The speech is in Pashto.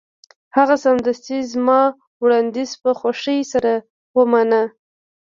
هغه سمدستي زما وړاندیز په خوښۍ سره ومانه